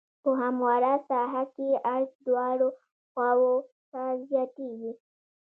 په همواره ساحه کې عرض دواړو خواوو ته زیاتیږي